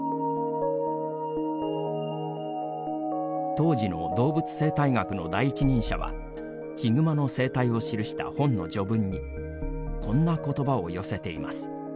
当時の動物生態学の第一人者はヒグマの生態を記した本の序文にこんなことばを寄せています。